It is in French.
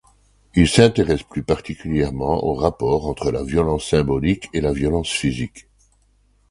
Il s'intéresse plus particulièrement aux rapports entre la violence symbolique et la violence physique.